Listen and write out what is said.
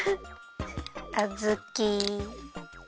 あずき。